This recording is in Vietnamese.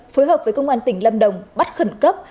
phối hợp với công an tỉnh lâm đồng bắt khẩn cấp